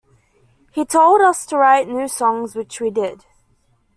He told us to write new songs - which we did.